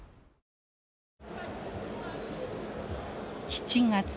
７月。